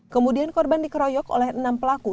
kemudian korban dikeroyok oleh enam pelaku